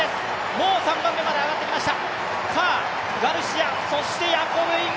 もう３番目まで上がってきました。